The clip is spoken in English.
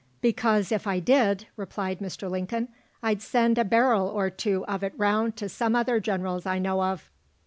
"Because if I did," replied Mr. Lincoln, "I'd send a barrel or two of it round to some other Generals I know of."